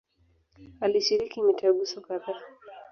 Alishiriki mitaguso kadhaa.